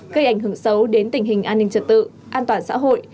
gây ảnh hưởng xấu đến tình hình an ninh trật tự an toàn xã hội